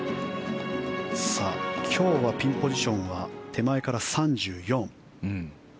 今日はピンポジションは手前から３４。